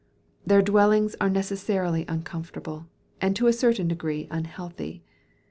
Their dwellings are necessarily uncomfortable, and to a certain degree unhealthy.